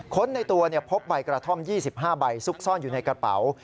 ในตัวพบใบกระท่อม๒๕ใบซุกซ่อนอยู่ในกระเป๋า